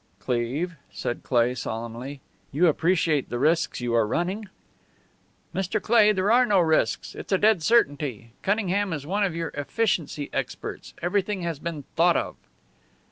"Cleve," said Cleigh, solemnly, "you appreciate the risks you are running?" "Mr. Cleigh, there are no risks. It's a dead certainty. Cunningham is one of your efficiency experts. Everything has been thought of."